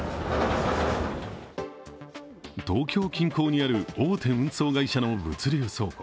東京近郊にある大手運送会社の物流倉庫。